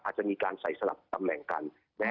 อาจจะมีการใส่สลับตำแหน่งกัน